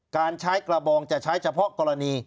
การใช้กระบองจะใช้เฉพาะกรณี